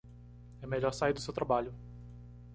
É melhor sair do seu trabalho